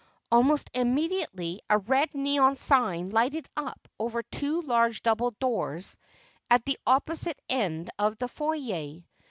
Almost immediately a red neon sign lighted up over two large double doors at the opposite end of the foyer.